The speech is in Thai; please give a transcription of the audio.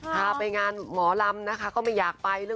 จะไปหาหมอก็ไม่ไป